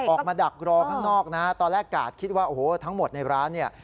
ออกมาดักรอข้างนอกนะตอนแรกกาดคิดว่าโอ้โหทั้งหมดในร้านเนี่ย